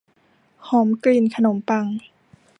หอมกลิ่นขนมปัง